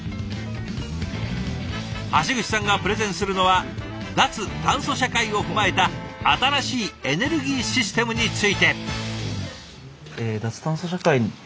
橋口さんがプレゼンするのは脱炭素社会を踏まえた新しいエネルギーシステムについて。